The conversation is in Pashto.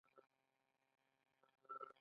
کله چې افغانستان کې ولسواکي وي ټولنه پرمختګ کوي.